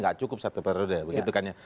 nggak cukup satu periode begitu kan ya